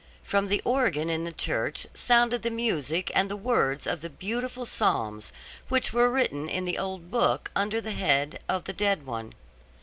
From the organ in the church sounded the music and the words of the beautiful psalms, which were written in the old book under the head of the dead one.